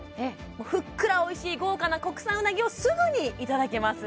ふっくらおいしい豪華な国産うなぎをすぐにいただけます